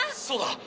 そうだ！